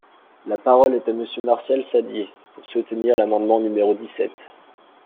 La parole est à Monsieur Martial Saddier, pour soutenir l’amendement numéro dix-sept.